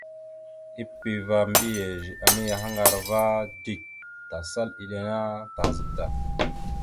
Epeva mbiyez a mayahaŋgar ava dik, tasal iɗe ana tazaɗ da.